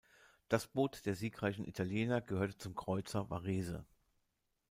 Das Boot der siegreichen Italiener gehörte zum Kreuzer "Varese".